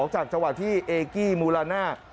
จากจังหวะที่เอกกี้มูลาน่า